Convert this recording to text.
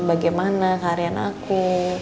bagaimana karian aku